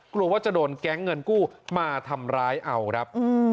กลัวว่าจะโดนแก๊งเงินกู้มาทำร้ายเอาครับ